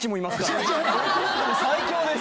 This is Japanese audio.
最強です。